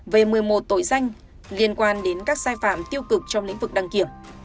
về một mươi một tội danh liên quan đến các sai phạm tiêu cực trong lĩnh vực đăng kiểm